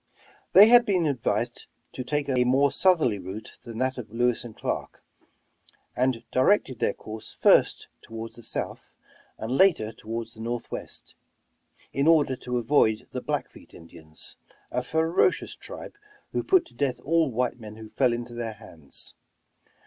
They had been advised to take a more southerly route than that of Lewis and Clark, and directed their course first toward the south, and later toward the northwest, in order to avoid the Blackfeet Indians, a ferocious tribe, who put to death all white men who fell into their hands.